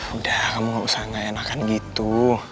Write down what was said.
udah kamu gak usah nganakan gitu